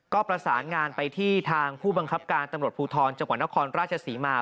ก็ประสานงานไปที่ทางผู้บังคับการตำรวจภูทรจังหวัดนครราชศรีมา